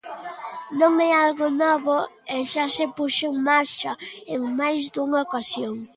Non é algo novo e xa se puxo en marcha en máis dunha ocasión.